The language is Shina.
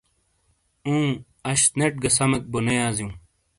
اوں، اش نیٹ گہ سمیک بو نے یازیوں۔